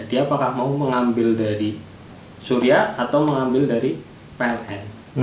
dia apakah mau mengambil dari surya atau mengambil dari pln